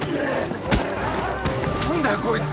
何だよこいつ。